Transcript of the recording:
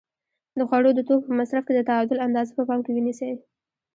د خوړو د توکو په مصرف کې د تعادل اندازه په پام کې ونیسئ.